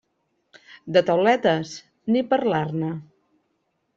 De tauletes ni parlar-ne.